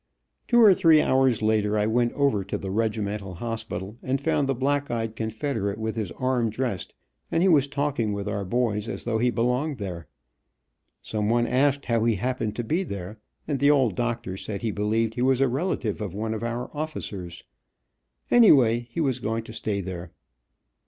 Two or three hours later I went over to the regimental hospital and found the black eyed confederate with his arm dressed, and he was talking with our boys as though he belonged there. Some one asked how he happened to be there, and the old doctor said he believed he was a relative of one of our officers. Anyway he was going to stay there.